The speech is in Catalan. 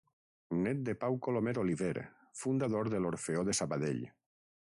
Nét de Pau Colomer Oliver, fundador de l'Orfeó de Sabadell.